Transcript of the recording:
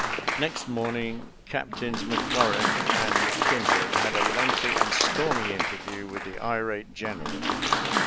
Next morning Captains McLaurin and Kin dred had a lengthy and stormy interview with the irate General.